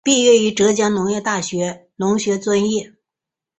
毕业于浙江农业大学农学专业。